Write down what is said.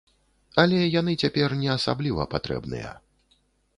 Але яны цяпер не асабліва патрэбныя.